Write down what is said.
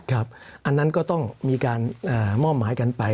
อันนั้นก็ต้องมีการมอบหมายกันไป